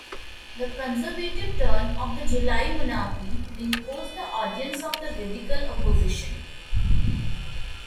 The conservative turn of the July Monarchy reinforced the audience of the radical opposition.